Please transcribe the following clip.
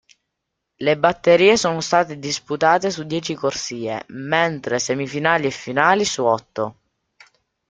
Le batterie sono state disputate su dieci corsie, mentre semifinali e finali su otto.